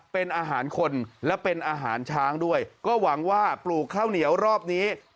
เป็นอาหารคนและเป็นอาหารช้างด้วยก็หวังว่าปลูกข้าวเหนียวรอบนี้